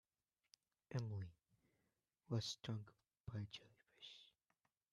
Emily was stung by a jellyfish.